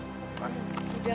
bukan si romana tuh